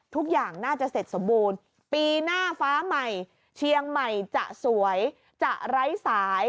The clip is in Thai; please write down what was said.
ทุกอย่างน่าจะเสร็จสมบูรณ์ปีหน้าฟ้าใหม่เชียงใหม่จะสวยจะไร้สาย